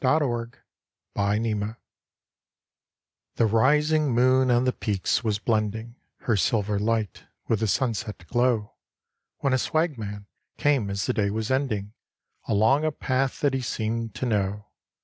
OLD STONE CHIMNEY The rising moon on the peaks was blending Her silver light with the sunset glow, When a swagman came as the day was ending Along a path that he seemed to know.